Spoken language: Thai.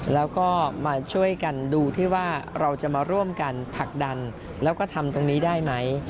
แล้วก็มาช่วยกันดูที่ว่าเราจะมาร่วมกันผลักดันแล้วก็ทำตรงนี้ได้ไหม